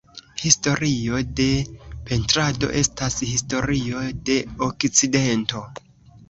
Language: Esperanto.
Historio de pentrado, estas historio de okcidento.